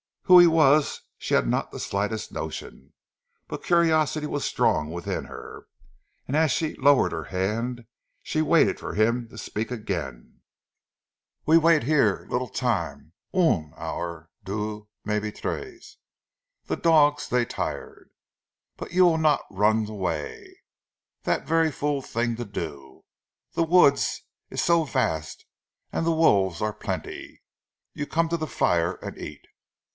Who he was she had not the slightest notion, but curiosity was strong within her, and as she lowered her hand, she waited for him to speak again. "Ve vait here, leetle taime une hour, deux, maybe tree. Zee dogs dey tire. But you veel not runs away. Dat vaire fool ting to do. Zee wood et ees so vast, an' zee wolves are plenty. You come to zee fire an' eat."